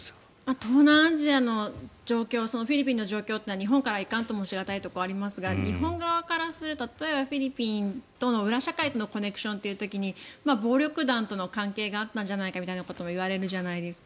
東南アジアの状況はフィリピンの状況は日本からはいかんともし難いところがありますが日本側からするとフィリピンの裏社会とのコネクションということでいうと暴力団との関係があったんじゃないかみたいな話もされるじゃないですか